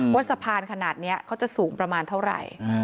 สะพานขนาดนี้เขาจะสูงประมาณเท่าไหร่